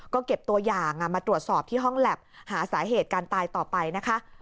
ก็เก็บตัวอย่างมาตรวจสอบที่ห้องแล็บหาสาเหตุการตายต่อไปนะคะ